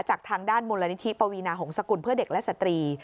จากทางด้านมูลนิธิปวีนาหงษกุลเพื่อเด็กและสตรี